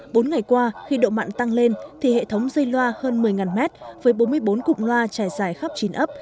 bốn ngày qua khi độ mặn tăng lên thì hệ thống dây loa hơn một mươi mét với bốn mươi bốn cụm loa trải dài khắp chín ấp